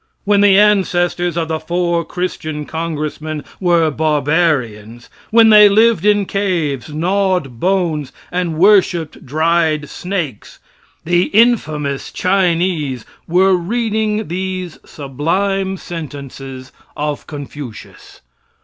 When the ancestors of the four Christian Congressmen were barbarians, when they lived in caves, gnawed bones, and worshiped dried snakes, the infamous Chinese were reading these sublime sentences of Confucius.